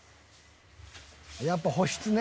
やっぱ保湿ね。